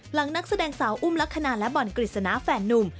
นักแสดงสาวอุ้มลักษณะและบ่อนกฤษณะแฟนนุ่ม